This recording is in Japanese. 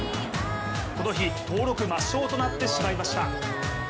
この日、登録抹消となってしまいました。